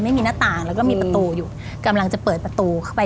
หน้าต่างแล้วก็มีประตูอยู่กำลังจะเปิดประตูเข้าไป